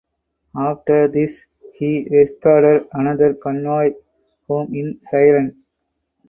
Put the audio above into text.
After this he escorted another convoy home in "Syren".